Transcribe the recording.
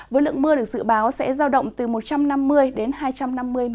với lượng mưa được dự báo sẽ gió đông bắc mạnh cấp sáu tám biển động mạnh cấp sáu tám biển động mạnh cấp